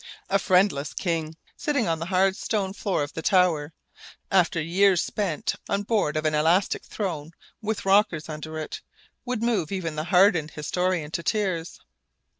A friendless king sitting on the hard stone floor of the Tower, after years spent on board of an elastic throne with rockers under it, would move even the hardened historian to tears.